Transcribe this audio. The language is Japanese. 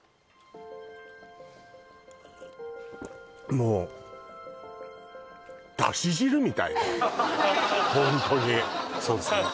もうホントにそうですね